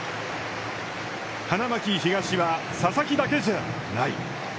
花巻東は佐々木だけじゃない。